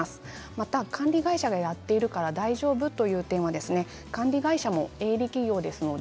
また管理会社がやっているから大丈夫という点は管理会社も営利企業です。